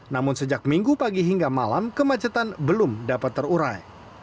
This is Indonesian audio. namun sejak minggu pagi hingga malam kemacetan belum dapat terurai